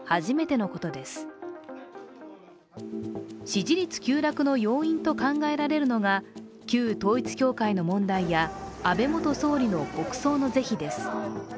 支持率急落の要因と考えられるのが旧統一教会の問題や安倍元総理の国葬の是非です。